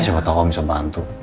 saya kira tahu bisa bantu